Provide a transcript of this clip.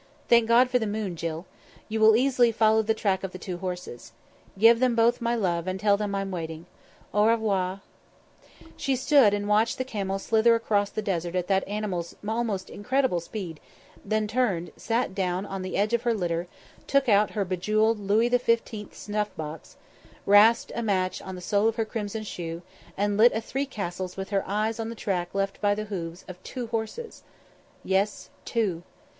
Thank God for the moon, Jill. You will easily follow the track of the two horses. Give them both my love, and tell them I'm waiting. Au revoir." She stood and watched the camel slither across the desert at that animal's almost incredible speed; then turned, sat down on the edge of her litter, took out her bejewelled Louis XV snuff box, rasped a match on the sole of her crimson shoe, and lit a Three Castles with her eyes on the track left by the hoofs of two horses. Yes! Two.